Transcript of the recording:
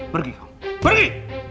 pergi kau pergi